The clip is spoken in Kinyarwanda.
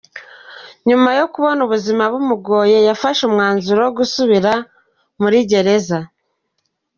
Nyuma yo kubona ubuzima bumugoye yafashe umwanzuro wo gusubira muri gereza.